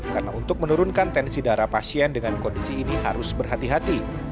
karena untuk menurunkan tensi darah pasien dengan kondisi ini harus berhati hati